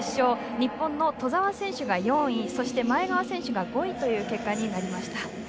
日本の兎澤選手が４位そして前川選手が５位という結果になりました。